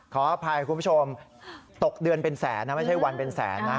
ขออภัยคุณผู้ชมตกเดือนเป็นแสนนะไม่ใช่วันเป็นแสนนะ